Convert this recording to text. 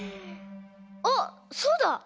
あっそうだ！